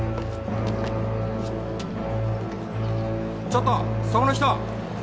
ちょっとそこの人！